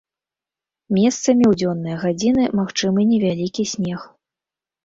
Месцамі ў дзённыя гадзіны магчымы невялікі снег.